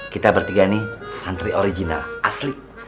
kita bertiga nih santri original asli